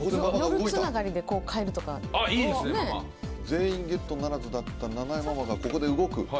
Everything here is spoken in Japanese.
全員ゲットならずだった菜々江ママがここで動く。